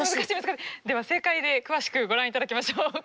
では正解で詳しくご覧いただきましょう。